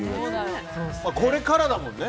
これからだもんね。